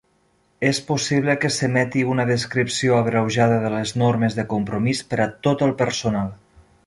És possible que s'emeti una descripció abreujada de les normes de compromís per a tot el personal.